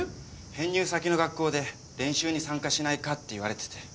編入先の学校で練習に参加しないかって言われてて。